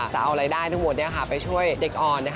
จะเอารายได้ทุกไปช่วยเด็กอ่อน